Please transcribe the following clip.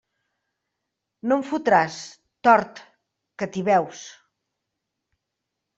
No em fotràs, tort, que t'hi veus.